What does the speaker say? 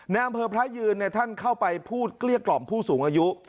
อำเภอพระยืนท่านเข้าไปพูดเกลี้ยกล่อมผู้สูงอายุ